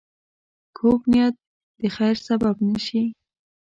کوږ نیت د خیر سبب نه شي